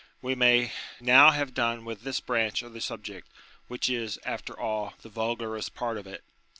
We may now have done with this branch of the subject, which is, after all, the vulgarest part of it.